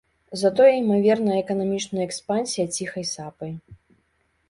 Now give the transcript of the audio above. Затое імаверная эканамічная экспансія ціхай сапай.